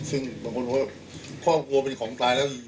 ซึ่งบางคนเขาก็ครอบครัวเป็นของตายแล้ว